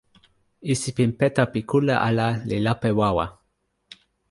isipin peta pi kule ala li lape wawa.